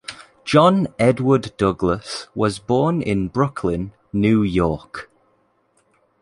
John Edward Douglas was born in Brooklyn, New York.